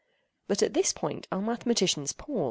But at this point our mathematicians paused.